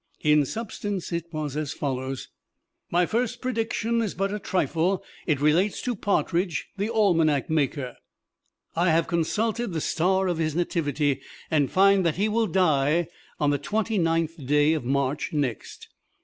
In substance, it was as follows: "My first prediction is but a trifle; it relates to Partridge, the almanac maker. I have consulted the star of his nativity, and find that he will die on the Twenty ninth day of March, next."